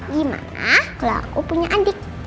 gimana kalo aku punya adik